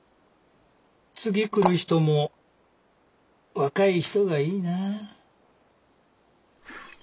次来る人も若い人がいいなあ。